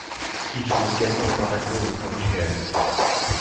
Il joue également au Paraguay et au Portugal.